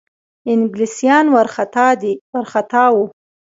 انګلیسیان وارخطا وه.